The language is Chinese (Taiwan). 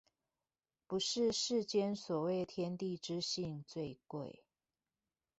不是世間所謂天地之性最貴